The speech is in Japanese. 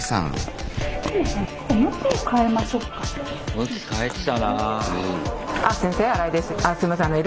向き変えてたな。